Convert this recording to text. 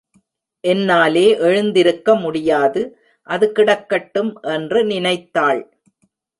என்னாலே எழுந்திருக்க முடியாது அது கிடக்கட்டும் என்று நினைத்தாள்.